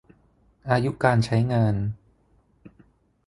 อายุการใช้งาน